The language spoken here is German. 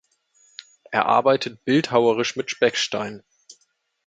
Er arbeitet bildhauerisch mit Speckstein.